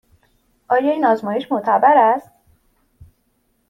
آیا این آزمایش معتبر است؟